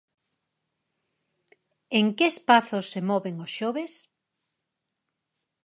¿En que espazos se moven os xoves?